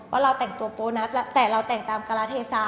ว่าเราแต่งตัวโป๊ะนะแต่เราแต่งตามการาเทศา